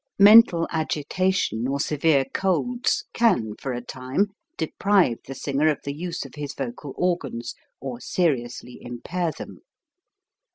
Men tal agitation or severe colds can for a time deprive the singer of the use of his vocal or gans, or seriously impair them.